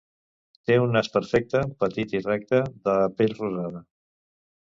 Té un nas perfecte, petit i recte, de pell rosada.